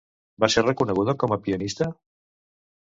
Va ser reconeguda com a pianista?